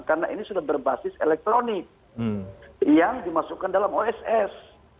karena ini sudah berbasis elektronik yang dimasukkan dalam oss